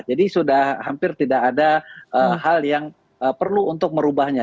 jadi sudah hampir tidak ada hal yang perlu untuk merubahnya